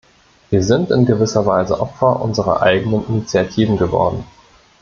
Wir sind in gewisser Weise Opfer unserer eigenen Initiativen geworden.